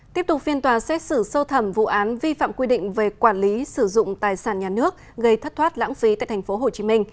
tiếp tục phiên tòa xét xử sâu thẩm vụ án vi phạm quy định về quản lý sử dụng tài sản nhà nước gây thất thoát lãng phí tại tp hcm